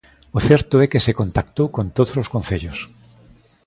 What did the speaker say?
O certo é que se contactou con todos os concellos.